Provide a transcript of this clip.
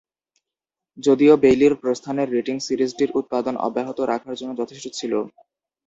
যদিও বেইলীর প্রস্থানের রেটিং সিরিজটির উৎপাদন অব্যাহত রাখার জন্য যথেষ্ট ছিল।